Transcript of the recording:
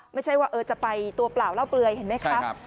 ไม่ใช่ว่าจะไปตัวเปล่าเล่าเปลือยเห็นไหมครับ